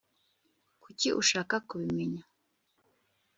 kuki ushaka kubimenya